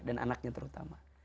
dan anaknya terutama